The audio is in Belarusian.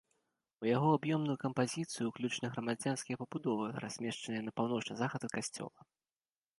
У яго аб'ёмную кампазіцыю ўключаны грамадзянскія пабудовы, размешчаныя на паўночны захад ад касцёла.